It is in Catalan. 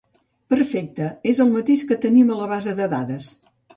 Perfecte, és el mateix que tenim a la base de dades.